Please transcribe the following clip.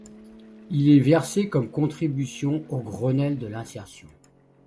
Il est versé comme contribution au Grenelle de l'insertion.